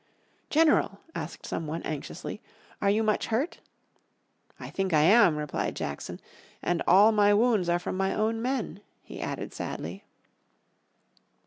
"General," asked some one, anxiously, "are you much hurt?" "I think I am," replied Jackson. "And all my wounds are from my own men," he added sadly.